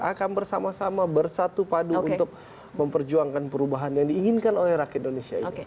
akan bersama sama bersatu padu untuk memperjuangkan perubahan yang diinginkan oleh rakyat indonesia ini